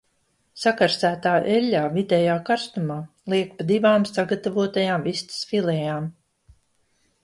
Sakarsētā eļļā vidējā karstumā liek pa divām sagatavotajām vistas filejām.